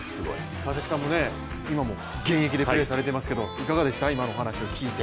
川崎さんも今も現役でプレーされていますけれどもいかがでしたか、今のお話聞いて。